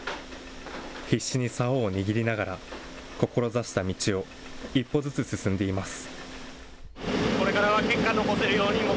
必死にさおを握りながら、志した道を一歩ずつ進んでいます。